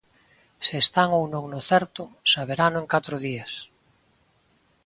Se están ou non no certo saberano en catro días.